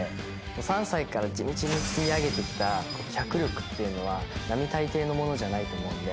３歳から地道に積み上げてきた脚力っていうのは並大抵のものじゃないと思うんで。